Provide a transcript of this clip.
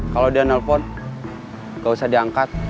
kalau dia nelpon gak usah diangkat